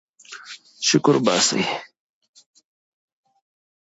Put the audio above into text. شکر وباسئ.